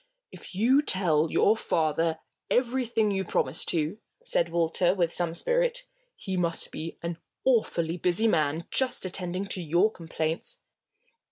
"If you tell your father everything you promise to," said Walter, with some spirit, "he must be an awfully busy man just attending to your complaints."